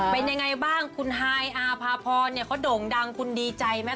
เป็นยังไงบ้างคุณฮายอาภาพรเนี่ยเขาโด่งดังคุณดีใจไหม